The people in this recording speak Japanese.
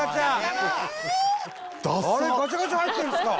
あれガチャガチャ入ってるんですか！